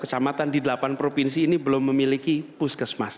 satu ratus tujuh puluh satu kecamatan di delapan provinsi ini belum memiliki puskesmas